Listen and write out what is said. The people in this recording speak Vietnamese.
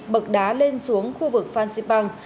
bậc đá lên xuống khu vực phan xipang